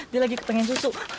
dia lagi pengen susu